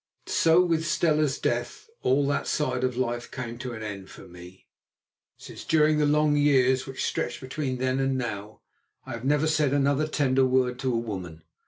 So with Stella's death all that side of life came to an end for me, since during the long years which stretch between then and now I have never said another tender word to woman.